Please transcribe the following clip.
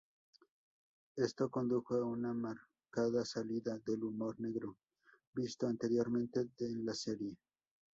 Esto condujo a una marcada salida del humor negro visto anteriormente en la serie.